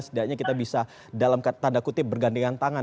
sehingga kita bisa dalam tanda kutip bergandingan tangan